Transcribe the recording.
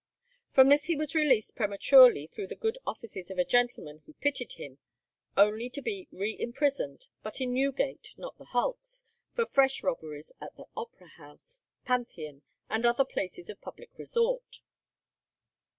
From this he was released prematurely through the good offices of a gentleman who pitied him, only to be reimprisoned, but in Newgate, not the hulks, for fresh robberies at the Opera House, Pantheon, and other places of public resort.